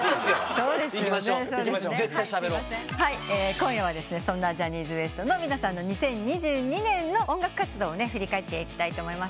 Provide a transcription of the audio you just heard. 今夜はそんなジャニーズＷＥＳＴの皆さんの２０２２年の音楽活動を振り返っていきたいと思います。